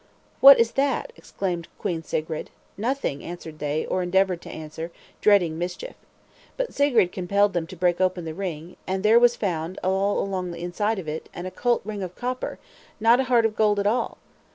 "What is that?" exclaimed Queen Sigrid. "Nothing," answered they, or endeavored to answer, dreading mischief. But Sigrid compelled them to break open the ring; and there was found, all along the inside of it, an occult ring of copper, not a heart of gold at all!